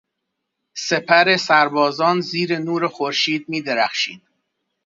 سپر سربازان زیر نور خورشید میدرخشید.